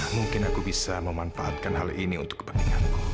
mungkin aku bisa memanfaatkan hal ini untuk kepentinganku